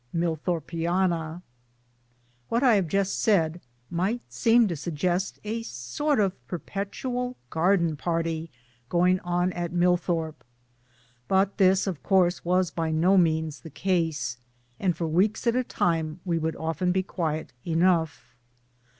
MILLTHORPIANA WHAT I have just said might seem to suggest a sort of perpetual garden party going on at Mill thorpe. But this of course was by no means the case, and for weeks at a time we would often ibe quiet enough.